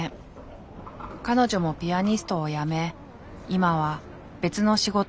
彼女もピアニストを辞め今は別の仕事をしているそう。